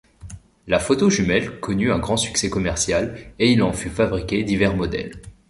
La photo-jumelle connut un grand succès commercial et il en fut fabriqué divers modèles.